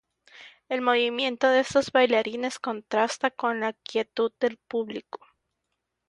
El movimiento de estos bailarines contrasta con la quietud del público.